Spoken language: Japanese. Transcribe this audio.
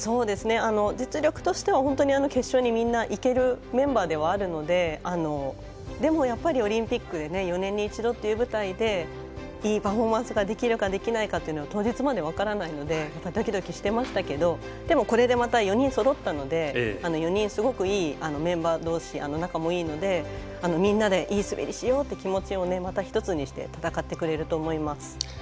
実力としては本当にみんな決勝にいけるメンバーではあるのででもやっぱりオリンピックで４年に一度という舞台でいいパフォーマンスができるかできないかというのは当日まで分からないのでドキドキしてましたけどでもこれでまた４人そろったので４人すごくいいメンバーどうし、仲もいいのでみんなでいい滑りしようっていう気持ちをまた１つにして戦ってくれると思います。